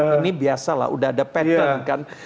ini biasa lah udah ada pattern kan